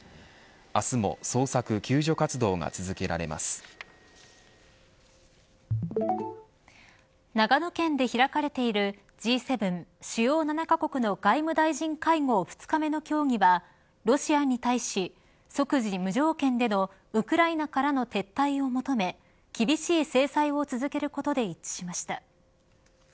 明日も捜索、救助活動が長野県で開かれているＧ７主要７カ国の外務大臣会合２日目の協議はロシアに対し即時無条件でのウクライナからの撤退を求め厳しい制裁を続けることで一致しました。